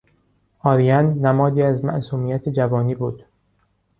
آرین نمادی از معصومیت جوانی بود.